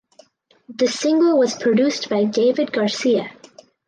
The single was produced by David Garcia.